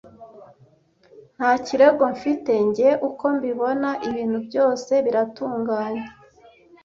Nta kirego mfite. Njye uko mbibona, ibintu byose biratunganye.